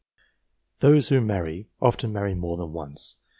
Those who marry, often marry more than once.